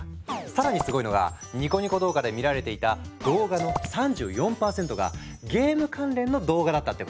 更にすごいのがニコニコ動画で見られていた動画の３４％がゲーム関連の動画だったってこと。